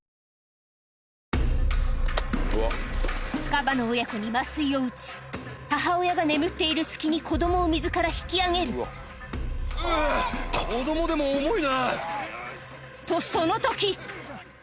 カバの親子に麻酔を打ち母親が眠っている隙に子供を水から引き上げるうぅ子供でも重いな。とその時！